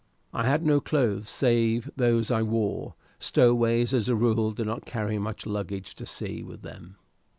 I had no clothes save those I wore. Stowaways as a rule do not carry much luggage to sea with them.